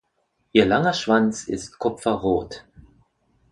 Ihr langer Schwanz ist kupferrot.